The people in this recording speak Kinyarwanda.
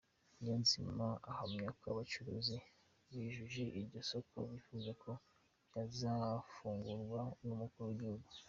Niyonzima ahamya ko abacuruzi biyujurije iryo soko bifuza ko ryazafungurwa n’Umukuru w’gihugu.